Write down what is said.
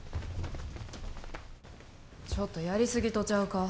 ちょっとやりすぎとちゃうか？